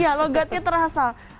iya logatnya terasa